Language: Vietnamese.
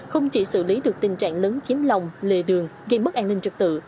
không chỉ xử lý được tình trạng lớn chiếm lòng lề đường gây mất an ninh trật tự